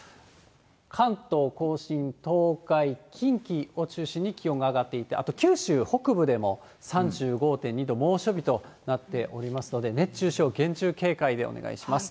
関東甲信、東海、近畿を中心に気温が上がっていて、あと九州北部でも３５．２度、猛暑日となっておりますので、熱中症、厳重警戒でお願いします。